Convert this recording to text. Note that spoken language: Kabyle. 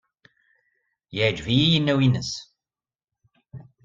Yeɛjeb-iyi yinaw-nnes.